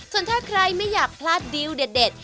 ส่วนถ้าใครไม่อยากพลาดดิวเด็ด